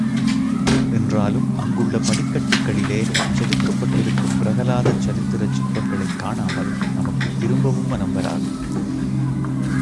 என்றாலும் அங்குள்ள படிக்கட்டுகளிலே செதுக்கப்பட்டிருக்கும் பிரகலாத சரித்திரச் சிற்பங்களைக் காணாமல் நமக்குத் திரும்பவும் மனம் வராது.